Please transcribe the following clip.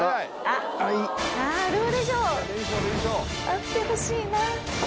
あってほしいな。